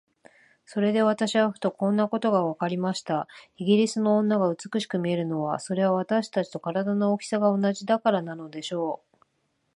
それで私はふと、こんなことがわかりました。イギリスの女が美しく見えるのは、それは私たちと身体の大きさが同じだからなのでしょう。